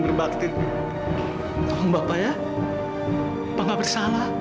bercoba tepung ke miris